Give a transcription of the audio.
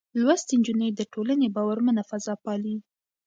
لوستې نجونې د ټولنې باورمنه فضا پالي.